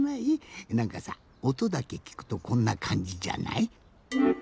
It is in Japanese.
なんかさおとだけきくとこんなかんじじゃない？